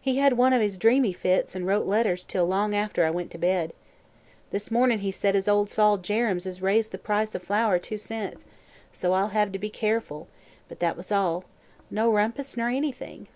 He had one o' his dreamy fits an' writ letters till long after I went to bed. This mornin' he said as ol' Sol Jerrems has raised the price o' flour two cents, so I'll hev to be keerful; but that was all. No rumpus ner anything."